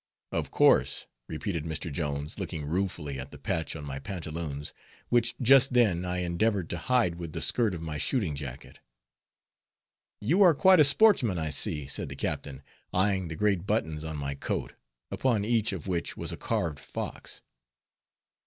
"Of course," repeated Mr. Jones, looking ruefully at the patch on my pantaloons, which just then I endeavored to hide with the skirt of my shooting jacket. "You are quite a sportsman I see," said the captain, eying the great buttons on my coat, upon each of which was a carved fox.